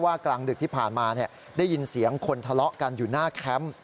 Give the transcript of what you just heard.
กลางดึกที่ผ่านมาได้ยินเสียงคนทะเลาะกันอยู่หน้าแคมป์